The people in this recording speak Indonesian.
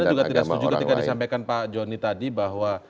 jadi menurut anda anda juga tidak setuju ketika disampaikan pak joni tadi bahwa